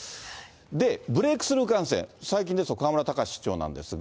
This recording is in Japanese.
ブレークスルー感染、最近ですと河村たかし市長なんですが。